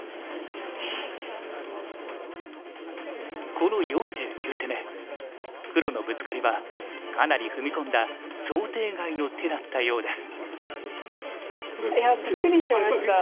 この４９手目黒のブツカリはかなり踏み込んだ想定外の手だったようです。